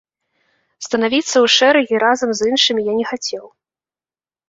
Станавіцца ў шэрагі разам з іншымі я не хацеў.